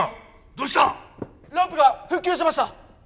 ランプが復旧しました！